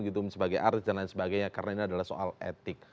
karena ini adalah soal etik